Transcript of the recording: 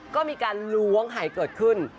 ก็มีการล้วงหายเกิดขึ้น